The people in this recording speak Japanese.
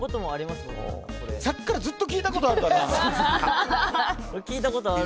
さっきからずっと聞いたことあるばかりだな。